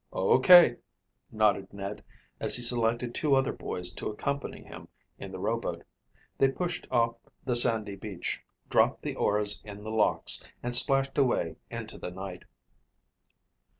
"O. K.," nodded Ned as he selected two other boys to accompany him in the rowboat. They pushed off the sandy beach, dropped the oars in the locks, and splashed away into the night.